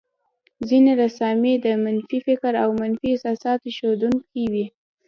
ځينې رسامۍ د منفي فکر او منفي احساساتو ښودونکې وې.